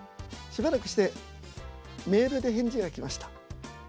しばらくしてメールで返事が来ました。